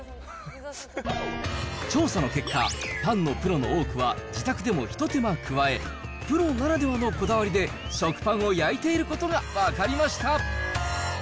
調査の結果、パンのプロの多くは、自宅でも一手間加え、プロならではのこだわりで食パンを焼いていることが分かりました。